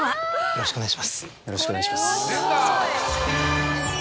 よろしくお願いします。